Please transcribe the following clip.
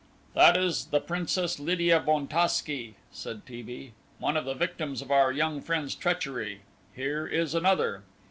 "That is the Princess Lydia Bontasky," said T. B., "one of the victims of our young friend's treachery. Here is another."